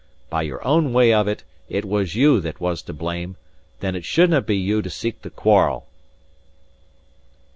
By your own way of it, it was you that was to blame; then it shouldnae be you to seek the quarrel."